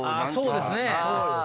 そうですね。